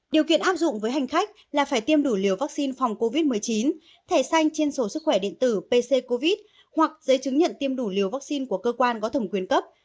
điều kiện áp dụng với hành khách là phải tiêm đủ liều vaccine phòng covid một mươi chín thẻ xanh trên sổ sức khỏe điện tử pc covid hoặc giấy chứng nhận tiêm đủ liều vaccine của cơ quan có thẩm quyền cấp